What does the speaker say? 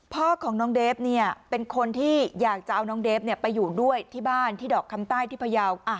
พ่อของน้องเดฟเป็นคนที่อยากจะเอาน้องเดฟไปอยู่ด้วยที่บ้านที่ดอกคำใต้ที่พยาว